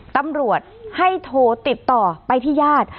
ตำรวจให้โทรติดต่อไปที่ญาติ